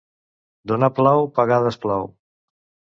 Donar plau, pagar desplau.